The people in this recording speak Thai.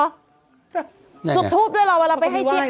ถุดทูปด้วยหรอเวลาไปที่เจียง